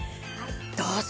どうぞ。